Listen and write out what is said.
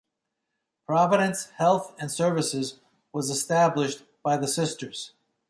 Providence Health and Services was established by the Sisters.